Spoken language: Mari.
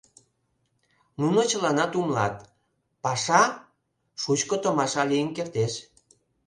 Нуно чыланат умылат: паша — шучко томаша лийын кертеш.